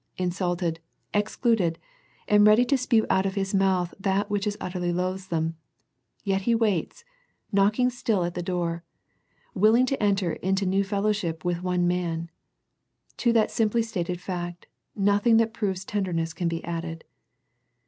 Insulted, excluded, and ready to spew out of His mouth that which is utterly loathsome. He yet waits, knocking still at the door, willing to enter into new fellow ship with one man. To that simply stated fact, nothing that proves tenderness can be added.